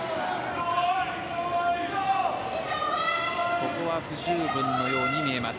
ここは不十分のように見えます。